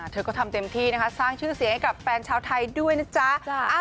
เธอก็ทำเต็มที่นะคะสร้างชื่อเสียงให้กับแฟนชาวไทยด้วยนะจ๊ะ